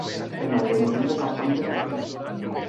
El mantenimiento es bastante sencillo.